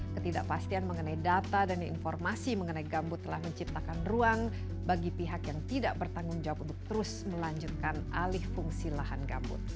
ketidakpastian mengenai data dan informasi mengenai gambut telah menciptakan ruang bagi pihak yang tidak bertanggung jawab untuk terus melanjutkan alih fungsi lahan gambut